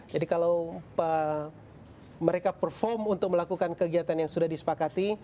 jadi kalau mereka perform untuk melakukan kegiatan yang sudah disepakati